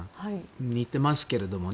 似ていますけれどもね。